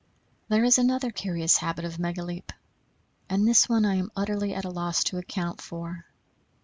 There is another curious habit of Megaleep; and this one I am utterly at a loss to account for.